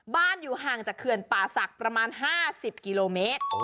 อยู่ห่างจากเขื่อนป่าศักดิ์ประมาณ๕๐กิโลเมตร